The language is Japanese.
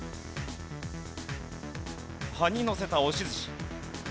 葉にのせた押し寿司。